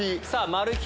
マル秘。